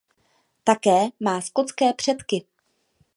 Také má skotské předky.